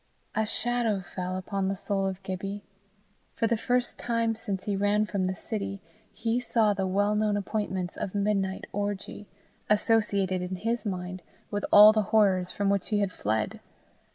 A shadow fell upon the soul of Gibbie: for the first time since he ran from the city, he saw the well known appointments of midnight orgy, associated in his mind with all the horrors from which he had fled.